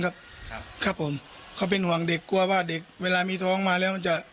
ครับครับผมเขาเป็นห่วงเด็กกลัวว่าเด็กเวลามีท้องมาแล้วมันจะ